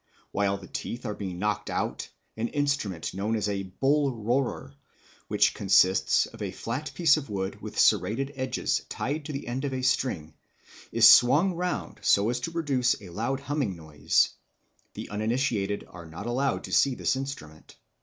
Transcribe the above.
While the teeth are being knocked out an instrument known as a bull roarer, which consists of a flat piece of wood with serrated edges tied to the end of a string, is swung round so as to produce a loud humming noise. The uninitiated are not allowed to see this instrument.